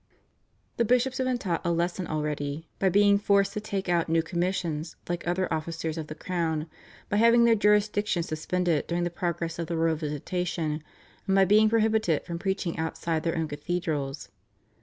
The bishops had been taught a lesson already by being forced to take out new commissions like other officers of the crown, by having their jurisdiction suspended during the progress of the royal visitation, and by being prohibited from preaching outside their own cathedrals.